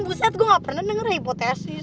gue gak pernah denger hipotesis